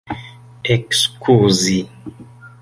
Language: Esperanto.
ekskuzi